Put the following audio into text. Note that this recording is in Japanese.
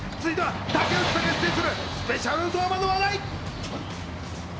続いては竹内くんが出演するスペシャルドラマの話題。